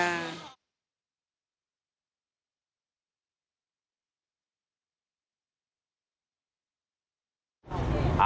มาดูตรงที่เขาขายปลากันบ้างจริงแล้วนะครับ